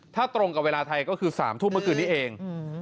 ถ้าตรงกับเวลาไทยก็คือ๓ทุ่มเมื่อคืนนี้เอง